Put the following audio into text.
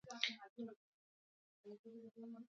د دوستانو ترمنځ وسیله رحمي باید وساتل سي.